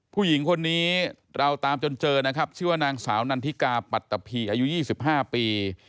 ผู้หญิงคนนี้เราตามจนเจอนะครับชื่อว่านางสาวนันทิกาปัตตะพีอายุ๒๕ปี